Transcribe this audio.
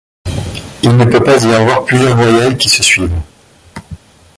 Il ne peut pas y avoir plusieurs voyelles qui se suivent.